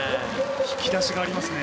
引き出しがありますね。